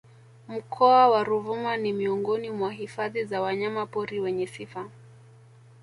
Mkoa wa Ruvuma ni Miongoni mwa hifadhi za Wanyama pori wenye sifa